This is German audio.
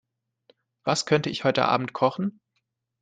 Was könnte ich heute Abend kochen?